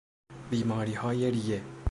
بیماریهای ریه